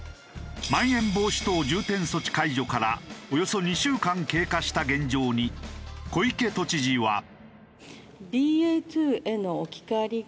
まん延防止等重点措置解除からおよそ２週間経過した現状に小池都知事は。